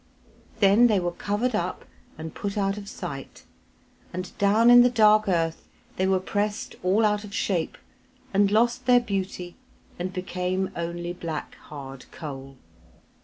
Then they were covered up and put out of sight, and down in the dark earth they were pressed all out of shape and lost their beauty and became only black, hard coal.